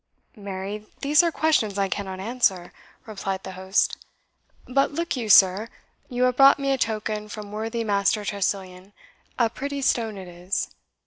"Marry, these are questions I cannot answer," replied the host. "But look you, sir, you have brought me a token from worthy Master Tressilian a pretty stone it is."